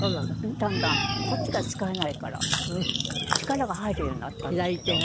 だんだんこっちが使えないから力が入るようになったんですけど。